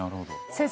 先生。